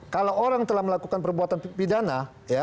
kalau orang telah melakukan perbuatan pidana